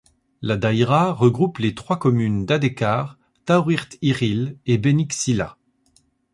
La daïra regroupe les trois communes d'Adekar, Taourirt Ighil et Beni Ksila.